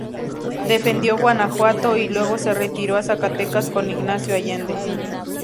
Defendió Guanajuato, y luego se retiró a Zacatecas con Ignacio Allende.